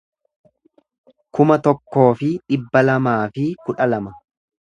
kuma tokkoo fi dhibba lamaa fi kudha lama